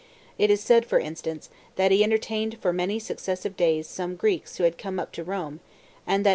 It is said, for instance, that he entertained for many successive days.some Greeks who had come up to Rome, and that.